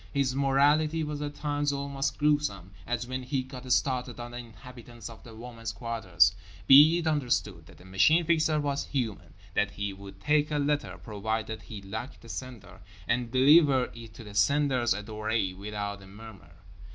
His morality was at times almost gruesome; as when he got started on the inhabitants of the women's quarters. Be it understood that the Machine Fixer was human, that he would take a letter—provided he liked the sender—and deliver it to the sender's adorée without a murmur.